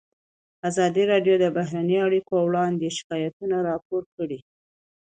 ازادي راډیو د بهرنۍ اړیکې اړوند شکایتونه راپور کړي.